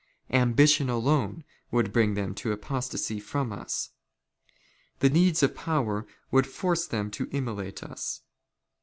" Ambition alone would bring them to apostasy from us. The needs " of power would force them to immolate us.